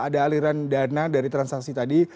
ada aliran dana dari transaksi tadi